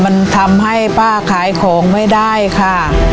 มันทำให้ป้าขายของไม่ได้ค่ะ